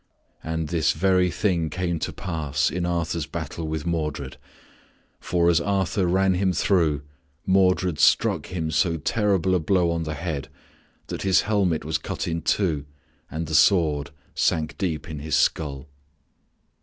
And this very thing came to pass in Arthur's battle with Modred. For as Arthur ran him through, Modred struck him so terrible a blow on the head that his helmet was cut in two and the sword sank deep in his skull.